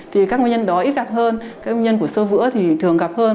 thì các nguyên nhân đó ít gặp hơn các nguyên nhân của sơ vữa thì thường gặp hơn